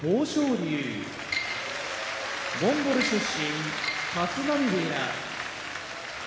龍モンゴル出身立浪部屋